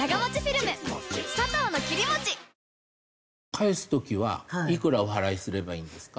返す時はいくらお払いすればいいんですか？